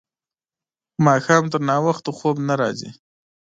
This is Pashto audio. ماښام تر ناوخته خوب نه راځي.